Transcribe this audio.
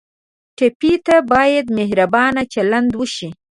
ټپي ته باید مهربانه چلند وشي.